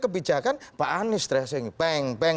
kebijakan pak anies terasa ini bang